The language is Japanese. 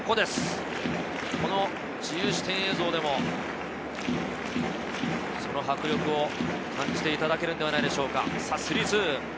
この自由視点映像でもその迫力を感じていただけるんではないでしょうか。